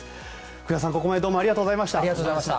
福田さん、ここまでどうもありがとうございました。